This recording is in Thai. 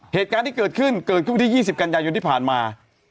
เหตุการณ์ที่เกิดขึ้นเกิดขึ้นวันที่๒๐กันยายนที่ผ่านมา